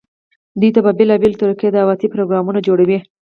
دوي ته په بيلابيلو طريقودعوتي پروګرامونه جوړووي،